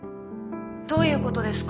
どういうことですか？